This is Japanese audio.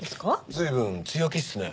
随分強気っすね。